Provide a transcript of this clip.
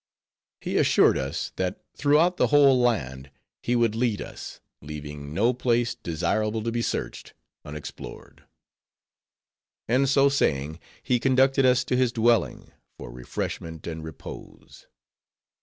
He assured us, that throughout the whole land he would lead us; leaving no place, desirable to be searched, unexplored. And so saying, he conducted us to his dwelling, for refreshment and repose.